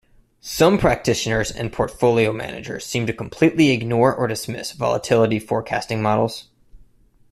Some practitioners and portfolio managers seem to completely ignore or dismiss volatility forecasting models.